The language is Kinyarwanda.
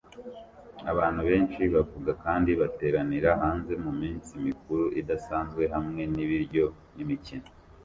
Abantu benshi bavuga kandi bateranira hanze muminsi mikuru idasanzwe hamwe nibiryo n'imikino